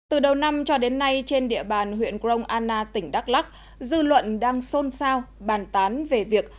từ đầu năm cho đến nay trên địa bàn huyện grong anna tỉnh đắk lắc dư luận đang xôn xao bàn tán về việc